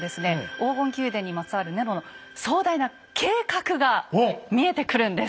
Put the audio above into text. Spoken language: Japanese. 黄金宮殿にまつわるネロの壮大な計画が見えてくるんです。